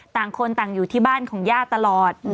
ต่างคนต่างอยู่ที่บ้านของย่าตลอด